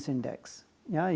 misalnya untuk world bank